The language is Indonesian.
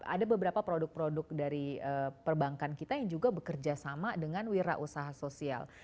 ada beberapa produk produk dari perbankan kita yang juga bekerja sama dengan wira usaha sosial